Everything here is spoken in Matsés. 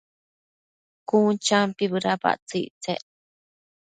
Cun champi bëdapactsëc ictsec